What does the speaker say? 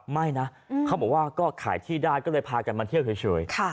ไม่นะเขาบอกว่าก็ขายที่ได้ก็เลยพากันมาเที่ยวเฉย